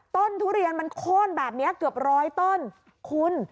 ทุเรียนมันโค้นแบบนี้เกือบร้อยต้นคุณ